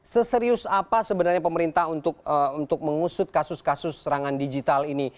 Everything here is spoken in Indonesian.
seserius apa sebenarnya pemerintah untuk mengusut kasus kasus serangan digital ini